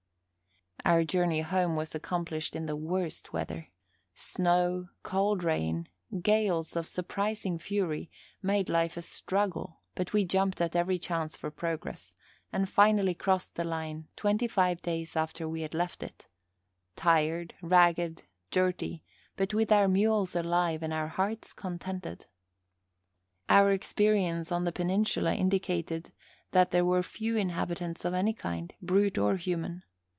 Our journey home was accomplished in the worst weather. Snow, cold rain, gales of surprising fury, made life a struggle; but we jumped at every chance for progress, and finally crossed the line twenty five days after we had left it tired, ragged, dirty, but with our mules alive and our hearts contented. Our experience of the peninsula indicated that there were few inhabitants of any kind, brute or human.